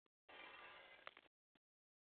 ډېری خلک د یوې موخې سره جېم یا کلب ته ځي